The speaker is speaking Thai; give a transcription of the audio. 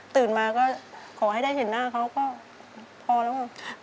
ตื่นมาก็ขอให้ได้เห็นหน้าเขาก็พอแล้วค่ะ